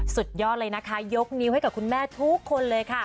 สุดยอดเลยนะคะยกนิ้วให้กับคุณแม่ทุกคนเลยค่ะ